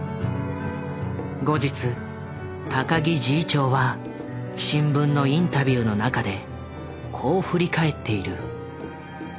後日高木侍医長は新聞のインタビューの中でこう振り返っている。